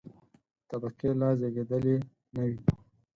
طبقې لا زېږېدلې نه وې.